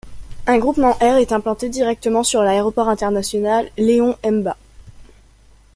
Un groupement Air est implanté directement sur l'aéroport international Léon-Mba.